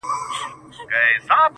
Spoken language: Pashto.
• څنگه دي زړه څخه بهر وباسم.